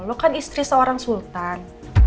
lo kan istri seorang sultan